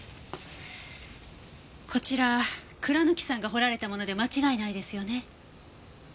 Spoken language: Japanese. こちら倉貫さんが彫られたもので間違いないですよね？